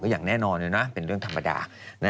อย่างแน่นอนเลยนะเป็นเรื่องธรรมดา